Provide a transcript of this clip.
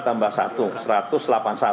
kami belum ngecek berapa orang warga negara